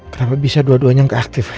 kenapa bisa dua duanya nggak aktif